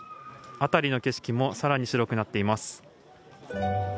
辺りの景色も更に白くなっています。